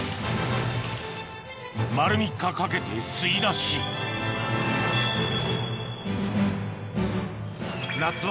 丸３日かけて吸い出し夏場